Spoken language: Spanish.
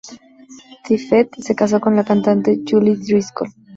Tippett se casó con la cantante Julie Driscoll.